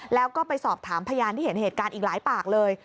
แล้วก็ไปสอบถามพยานที่เห็นเหตุการณ์อีกหลายปากเลย